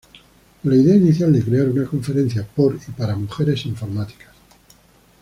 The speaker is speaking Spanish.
Con la idea inicial de crear una conferencia por y para mujeres informáticas.